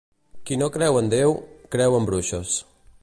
Qui no creu en Déu, creu en bruixes.